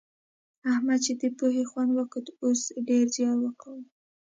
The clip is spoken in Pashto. احمد چې د پوهې خوند وکوت؛ اوس ډېر زيار کاږي.